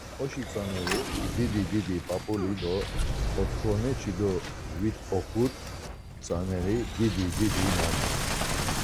Oşi tzaneri didi didi p̌ap̌uli do otxoneçidovit̆oxut tzaneri didi didi nana.